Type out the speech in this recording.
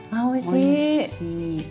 おいしい。